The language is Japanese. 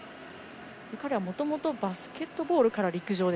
彼はもともとバスケットボールから陸上。